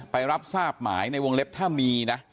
รับทราบหมายในวงเล็บถ้ามีนะ